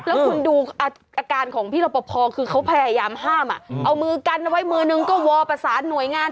แล้วคุณดูอาการของพี่รปภคือเขาพยายามห้ามเอามือกันเอาไว้มือนึงก็วอประสานหน่วยงาน